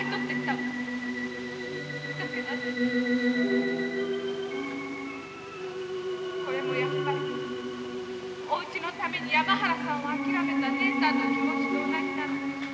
だけど私これもやっぱりおうちのために山原さんを諦めた姉さんの気持ちと同じなのねきっと。